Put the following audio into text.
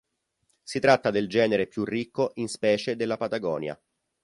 Si tratta del genere più ricco in specie della Patagonia.